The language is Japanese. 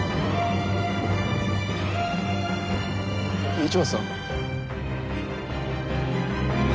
市松さん？